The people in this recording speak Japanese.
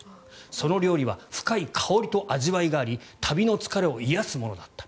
その料理は深い香りと味わいがあり旅の疲れを癒やすものだった。